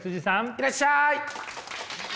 いらっしゃい！